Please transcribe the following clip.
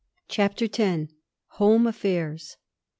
X^ CHAPTER X. HOME AFFAIRS.